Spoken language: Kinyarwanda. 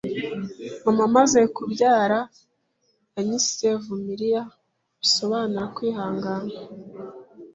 Mama amaze kumbyara, yanyise Vumilia (bisobanura kwihangana).